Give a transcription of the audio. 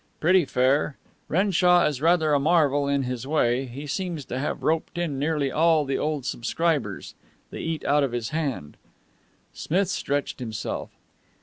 "Pretty fair. Renshaw is rather a marvel in his way. He seems to have roped in nearly all the old subscribers. They eat out of his hand." Smith stretched himself.